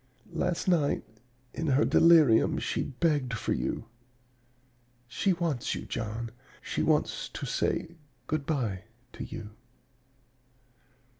Last night in her delirium she begged for you. She wants you, John; she wants to say good by to you!'